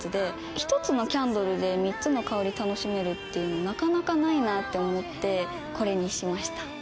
１つのキャンドルで３つの香り楽しめるっていうのなかなかないなって思ってこれにしました。